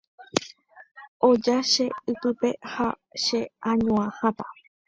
Oja che ypýpe ha che añua hatã